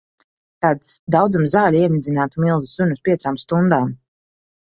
Tāds daudzums zaļu iemidzinātu milzu suni uz piecām stundām.